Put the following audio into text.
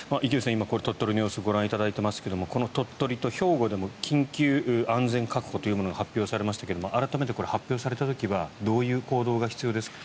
今、鳥取の様子をご覧いただいていますがこの鳥取と兵庫でも緊急安全確保というものが発表されましたが改めてこれが発表された時はどういう行動が必要ですか？